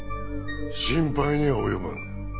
心配には及ばぬ。